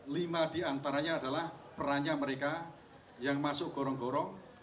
lima diantaranya adalah perannya mereka yang masuk gorong gorong